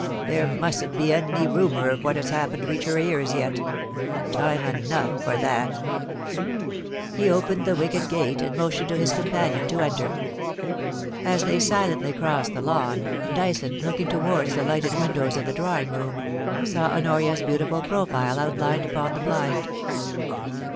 There mustn't be any rumour of what has happened reach her ears yet. Time enough for that' He opened the wicket^ate and motioned to his com gianion to enter. As they silently crossed the lawn, Dyson, looking towards the lighted windows of the drawing room, saw Honoria's beautiful profile outlined upon the blind